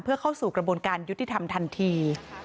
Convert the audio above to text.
เพื่อเข้าสู่กระบวนการยุติธรรมทันที